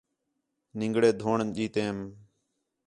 نِنگڑے ڈھونݨ ڈیتیم